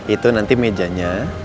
itu nanti mejanya